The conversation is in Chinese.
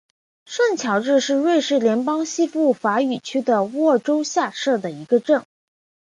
圣乔治是瑞士联邦西部法语区的沃州下设的一个镇。